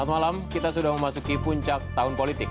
selamat malam kita sudah memasuki puncak tahun politik